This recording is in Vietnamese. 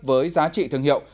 với giá trị thương hiệu